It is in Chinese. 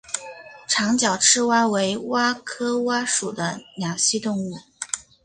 长脚赤蛙为蛙科蛙属的两栖动物。